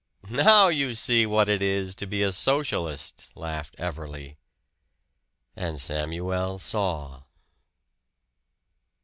"Now you see what it is to be a Socialist!" laughed Everley. And Samuel saw.